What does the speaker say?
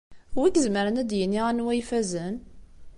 Wi izemren ad d-yini anwa ifazen?